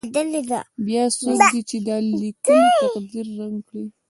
بیا څوک دی چې دا لیکلی تقدیر ړنګ کړي.